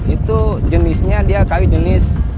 itu jenisnya dia kawi jenis